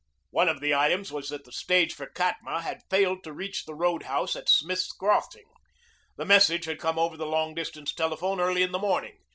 One of the items was that the stage for Katma had failed to reach the roadhouse at Smith's Crossing. The message had come over the long distance telephone early in the morning.